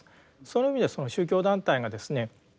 その意味ではその宗教団体がですね